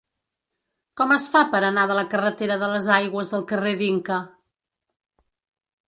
Com es fa per anar de la carretera de les Aigües al carrer d'Inca?